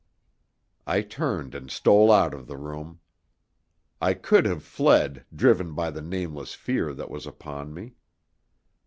I turned and stole out of the room. I could have fled, driven by the nameless fear that was upon me.